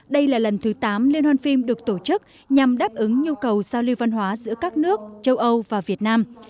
đây là lần thứ tám liên hoàn phim được tổ chức nhằm đáp ứng nhu cầu giao lưu văn hóa giữa các nước châu âu và việt nam